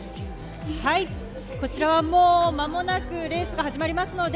こちらはもう間もなくレースが始まります。